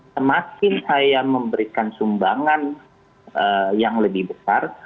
semakin saya memberikan sumbangan yang lebih besar